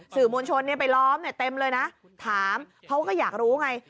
สื่อมวลชนไปล้อมเต็มเลยนะถามเพราะว่าก็อยากรู้ไง